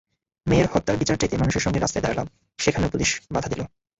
মেয়ের হত্যার বিচার চাইতে মানুষের সঙ্গে রাস্তায় দাঁড়ালাম, সেখানেও পুলিশ বাধা দিল।